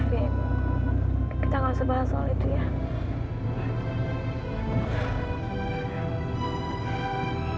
kita nggak usah bahas soal itu ya